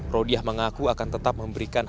rodiah mengaku akan tetap memberikan